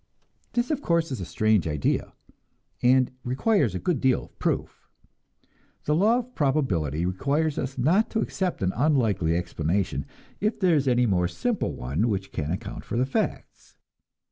This, of course, is a strange idea, and requires a good deal of proof. The law of probability requires us not to accept an unlikely explanation, if there is any more simple one which can account for the facts.